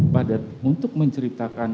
pada untuk menceritakan